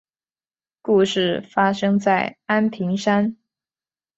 故事发生在安平山。